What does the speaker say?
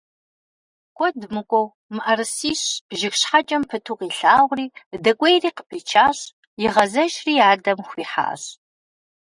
Куэд мыкӀуэу мыӀэрысищ жыг щхьэкӀэм пыту къилъагъури дэкӀуейри къыпичащ, игъэзэжри и адэм хуихьащ.